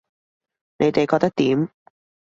你哋覺得點